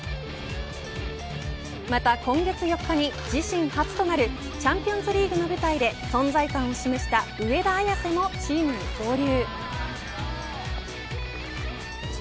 また、今月４日に自身初となるチャンピオンズリーグの舞台で存在感を示した上田綺世もチームに合流。